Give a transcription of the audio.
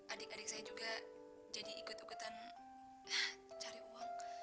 adik adik saya juga jadi ikut ikutan cari uang